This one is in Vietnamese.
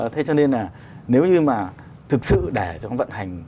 thế cho nên là nếu như mà thực sự để cho nó vận hành